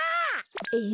えっ？